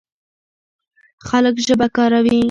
خلک ژبه کاروي.